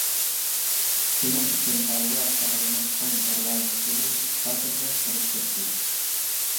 شۇنىڭ ئۈچۈن ھارۋا شەھەرنىڭ چوڭ دەرۋازىسىدىن خاتىرجەم كىرىپ كەتتى.